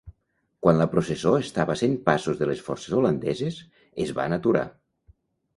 Quan la processó estava a cent passos de les forces holandeses, es van aturar.